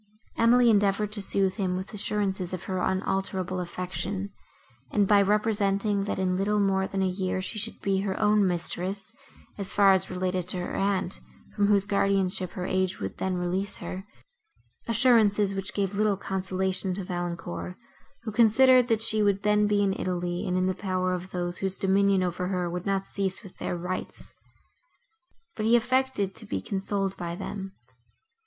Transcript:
Emily endeavoured to sooth him with assurances of her unalterable affection, and by representing, that, in little more than a year, she should be her own mistress, as far as related to her aunt, from whose guardianship her age would then release her; assurances, which gave little consolation to Valancourt, who considered, that she would then be in Italy and in the power of those, whose dominion over her would not cease with their rights; but he affected to be consoled by them.